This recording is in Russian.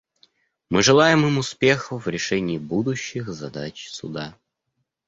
Мы желаем им успехов в решении будущих задач Суда.